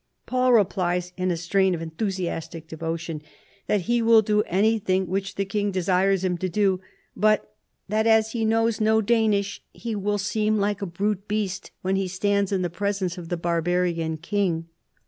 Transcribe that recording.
Paul replies in a strain of enthusiastic devotion that he will do anything which the king desires him to do, but that as he knows no Danish he will seem like a brute beast when he stands in the presence of the barbarian king.